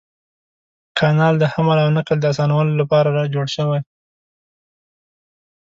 کانال د حمل او نقل د اسانولو لپاره جوړ شوی.